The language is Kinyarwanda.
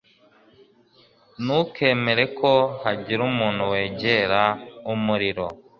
Ntukemere ko hagira umuntu wegera umuriro.